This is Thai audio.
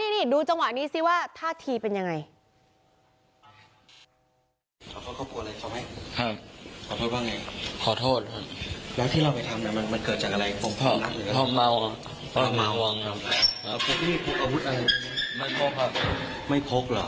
นี่ดูจังหวะนี้สิว่าท่าทีเป็นยังไง